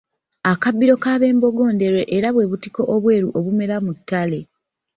Akabbiro k'abembogo Ndeerwe era bwebutiko obweru obumera mu ttale.